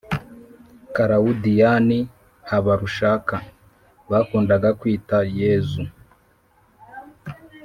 karawudiyani habarushaka, bakundaga kwita «yezu»,